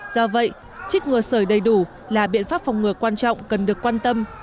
do vậy chích ngừa sởi đầy đủ là biện pháp phòng ngừa quan trọng cần được quan tâm